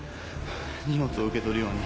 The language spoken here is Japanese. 荷物を受け取るように。